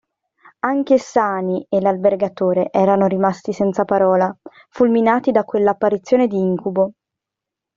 Anche Sani e l'albergatore erano rimasti senza parola, fulminati da quella apparizione di incubo.